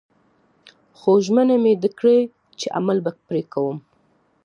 خو ژمنه مې ده کړې چې عمل به پرې کوم